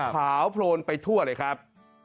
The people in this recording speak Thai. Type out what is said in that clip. ขาวโพลนไปทั่วเลยครับ